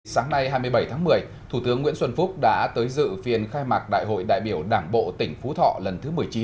sáng nay hai mươi bảy tháng một mươi thủ tướng nguyễn xuân phúc đã tới dự phiên khai mạc đại hội đại biểu đảng bộ tỉnh phú thọ lần thứ một mươi chín